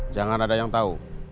jangan ada yang tau